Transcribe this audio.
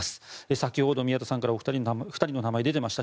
先ほど宮田さんから２人の名前が出ていました。